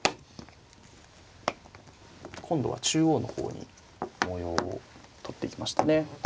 今度は中央の方に模様をとっていきましたね。